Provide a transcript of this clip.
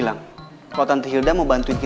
tunggalkan belaku ituikan